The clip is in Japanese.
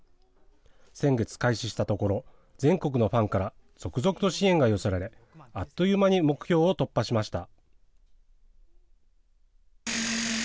先月開始したところ、全国のファンから続々と支援が寄せられ、あっという間に目標を突破しました。